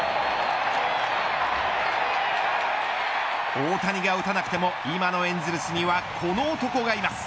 大谷が打たなくても今のエンゼルスにはこの男がいます。